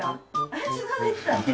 あつのができた！